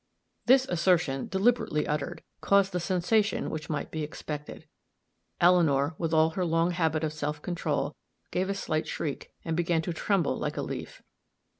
_" This assertion, deliberately uttered, caused the sensation which might be expected. Eleanor, with all her long habit of self control, gave a slight shriek, and began to tremble like a leaf.